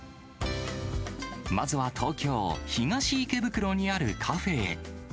まずは東京・東池袋にあるカフェへ。